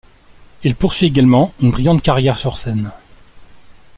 Il poursuit également une brillante carrière sur scène.